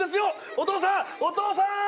お父さんお父さん！